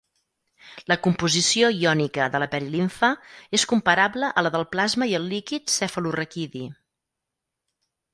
La composició iònica de la perilimfa és comparable a la del plasma i el líquid cefalorraquidi.